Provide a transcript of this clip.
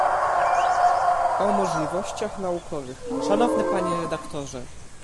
"„O możliwościach naukowych“ Szanowny Panie Redaktorze!"